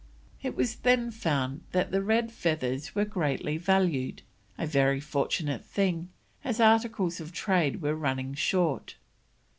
It was then found that the red feathers were greatly valued, a very fortunate thing as articles of trade were running short.